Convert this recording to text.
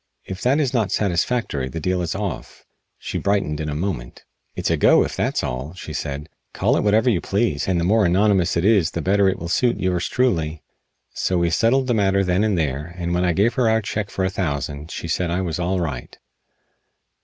If that is not satisfactory the deal is off." She brightened in a moment. "It's a go, if that's all," she said. "Call it whatever you please, and the more anonymous it is the better it will suit yours truly." So we settled the matter then and there, and when I gave her our check for a thousand she said I was all right.